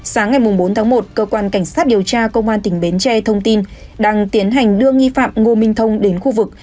sáng ngày bốn tháng một cơ quan cảnh sát điều tra công an tỉnh bến tre thông tin đang tiến hành đưa nghi phạm ngô minh thông đến khu vực